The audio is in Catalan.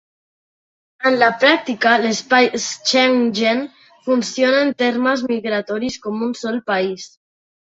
En la pràctica, l'espai Schengen funciona en termes migratoris com un sol país.